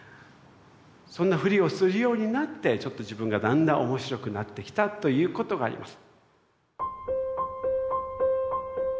そんなフリをするようになってちょっと自分がだんだん面白くなってきたということがあります。